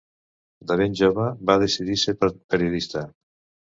De ben jove, va decidir ser periodista.